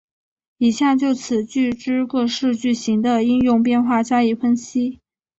以下就此句之各式句型的应用变化加以分析。